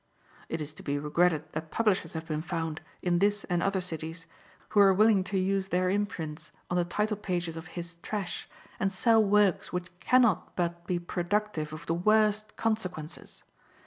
It is to be regretted that publishers have been found, in this and other cities, who are willing to use their imprints on the title pages of his trash, and sell works which can not but be productive of the worst consequences.